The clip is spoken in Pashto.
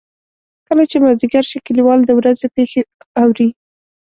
کله چې مازدیګر شي کلیوال د ورځې پېښې اوري.